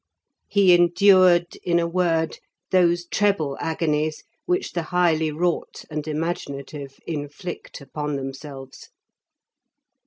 He endured, in a word, those treble agonies which the highly wrought and imaginative inflict upon themselves.